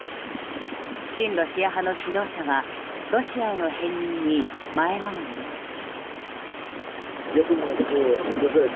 親ロシア派の指導者はロシアへの編入に前のめりです。